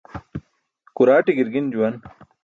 Kuraaṭi gi̇rgin juwan.